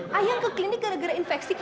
hah ayang ke klinik gara gara infeksi